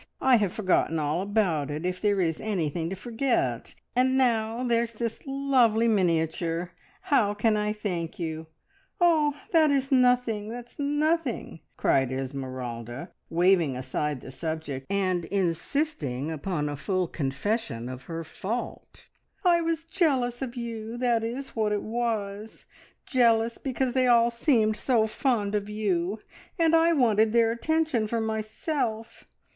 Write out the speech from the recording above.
I have forgotten all about it, if there is anything to forget; and now there's this lovely miniature. How can I thank you?" "Oh, that is nothing that's nothing!" cried Esmeralda, waving aside the subject, and insisting upon a full confession of her fault. "I was jealous of you that is what it was jealous because they all seemed so fond of you, and I wanted their attention for myself.